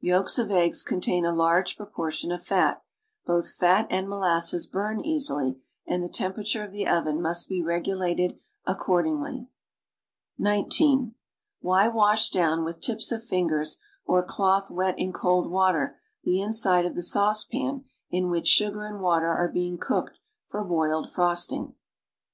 Yolks of eggs contain a large proportion of fat; ))oth fat and molasses burn easily and the temperature of the oven must be regulated accordingly. Why wash down, with tips of fingers or cloth wet in cold water, the inside of the saucepan in which sugar and water are being cooked for boiled frosting?